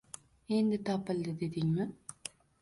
Endi topildi, dedingmi